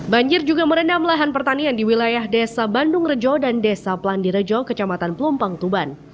banjir juga merendam lahan pertanian di wilayah desa bandung rejo dan desa plandirejo kecamatan pelumpang tuban